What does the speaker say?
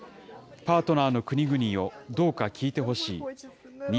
パートナーの国々よ、どうか聞いてほしい。